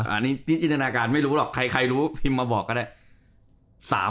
อันนี้พี่จินตนาการไม่รู้หรอกใครรู้พิมพ์มาบอกก็ได้